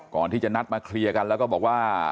ก่อนที่จะนัดมาเคลียร์กันแล้วก็บอกว่า